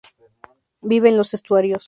Vive en los estuarios.